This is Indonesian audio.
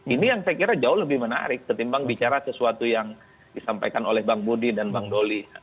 ini yang saya kira jauh lebih menarik ketimbang bicara sesuatu yang disampaikan oleh bang budi dan bang doli